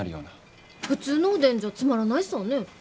普通のおでんじゃつまらないさぁねぇ？